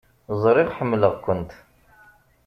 Ẓriɣ ḥemmleɣ-kent.